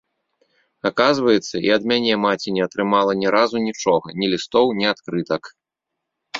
Аказваецца, і ад мяне маці не атрымала ні разу нічога, ні лістоў, ні адкрытак.